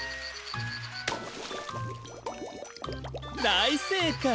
だいせいかい！